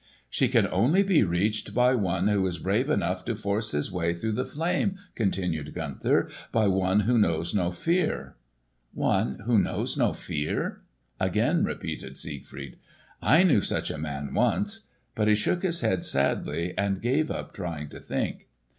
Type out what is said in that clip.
"She can only be reached by one who is brave enough to force his way through the flame," continued Gunther; "by one who knows no fear." "One who knows no fear?" again repeated Siegfried. "I knew such a man once." But he shook his head sadly and gave up trying to think.